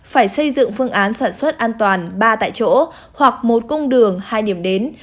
phải xây dựng phương án sản xuất an toàn ba tại chỗ hoặc một cung đường hai điểm đến